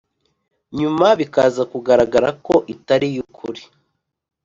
nyuma bikaza kugaragara ko itari iy’ukuri.